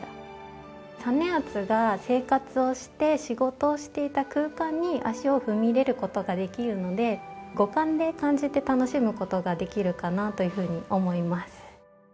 実篤が生活をして仕事をしていた空間に足を踏み入れる事ができるので五感で感じて楽しむ事ができるかなというふうに思います。